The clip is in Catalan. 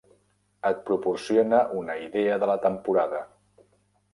Et proporciona una idea de la temporada.